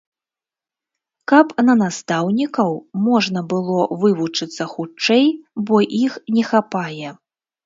Каб на настаўнікаў можна было вывучыцца хутчэй, бо іх не хапае.